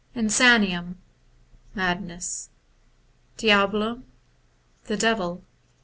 Insaniem Madness. 6. Diabolum The Devil.